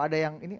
ada yang ini